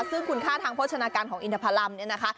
ซึ่งคุณค่าทางโภชนาการของอินทพรรมเนี่ยนะคะ